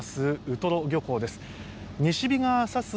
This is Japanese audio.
ウトロ漁港です。